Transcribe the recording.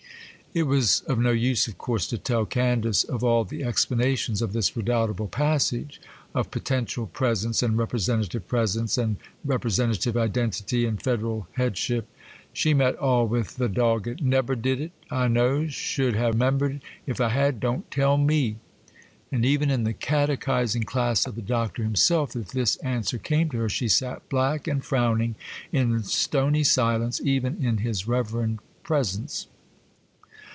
It was of no use, of course, to tell Candace of all the explanations of this redoubtable passage,—of potential presence, and representative presence, and representative identity, and federal headship. She met all with the dogged,— 'Nebber did it, I knows; should 'ave 'membered, if I had. Don't tell me!' And even in the catechizing class of the Doctor himself, if this answer came to her, she sat black and frowning in stony silence even in his reverend presence.